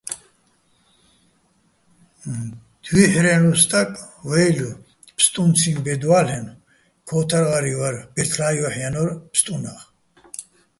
დუ́ჲჰ̦რელუჼ სტაკ, ვეჲლო, ფსტუნციჼ ბედ ვა́ლლ'ენო̆, ქო́ვთარღარიჼ ვარ, ბეჲრთლა́ჼ ჲოჰ̦ ჲანო́რ ფსტუნაღ.